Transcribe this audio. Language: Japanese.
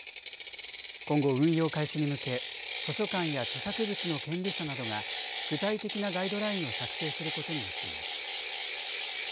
今後、運用開始に向け図書館や著作物の権利者などが具体的なガイドラインを作成することになっています。